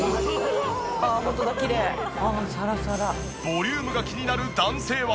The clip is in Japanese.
ボリュームが気になる男性は。